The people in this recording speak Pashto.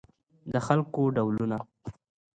د خلکو ډولونه